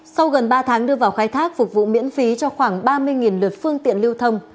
sau gần ba tháng đưa vào khai thác phục vụ miễn phí cho khoảng ba mươi lượt phương tiện lưu thông